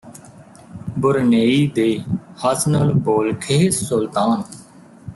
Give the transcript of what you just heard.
ਬੁਰਨੇਈ ਦੇ Hassanal Bolkiah ਸੁਲਤਾਨ